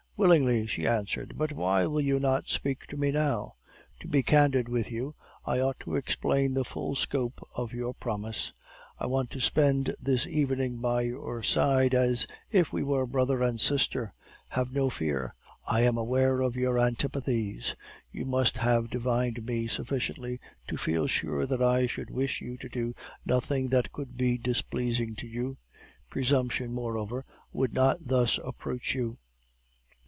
"'Willingly,' she answered' 'but why will you not speak to me now?' "'To be candid with you, I ought to explain the full scope of your promise: I want to spend this evening by your side, as if we were brother and sister. Have no fear; I am aware of your antipathies; you must have divined me sufficiently to feel sure that I should wish you to do nothing that could be displeasing to you; presumption, moreover, would not thus approach you.